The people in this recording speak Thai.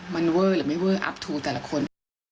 มันเวอร์หรือไม่เวอร์อัพทูลแต่ละคน